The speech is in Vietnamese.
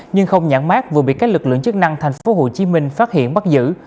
nhưng không nhẵn mát vừa bị các lực lượng chức năng thành phố hồ chí minh phát hiện bắt giữ